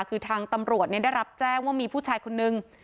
คือทางตำรวจได้รับแจ้งว่ามีผู้ชายคนนึง